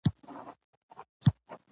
چړه یې په ورمېږ ورکېښوده